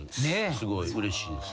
すごいうれしいです。